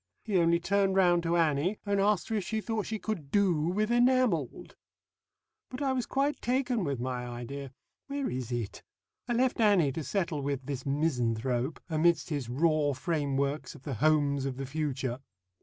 He only turned round to Annie, and asked her if she thought she could do with 'enamelled.' But I was quite taken with my idea Where is it? I left Annie to settle with this misanthrope, amidst his raw frameworks of the Homes of the Future."